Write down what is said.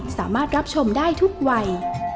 สามารถรับชมได้ทุกวัย